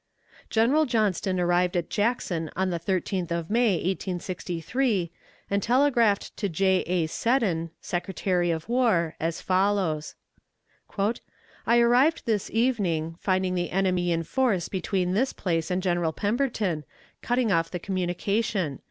General Johnston arrived at Jackson on the 13th of May, 1863, and telegraphed to J. A. Seddon, Secretary of War, as follows: "I arrived this evening, finding the enemy in force between this place and General Pemberton, cutting off the communication.